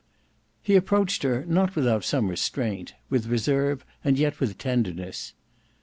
He approached her not without some restraint; with reserve and yet with tenderness.